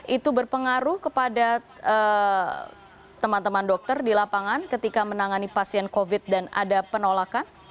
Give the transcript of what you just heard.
itu berpengaruh kepada teman teman dokter di lapangan ketika menangani pasien covid dan ada penolakan